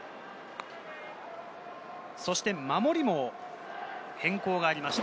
そして守りも変更がありました。